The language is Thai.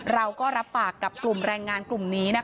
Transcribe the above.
เราก็รับปากกับกลุ่มแรงงานกลุ่มนี้